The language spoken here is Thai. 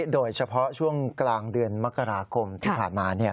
โดยเฉพาะช่วงกลางเดือนมกราคมที่ผ่านมา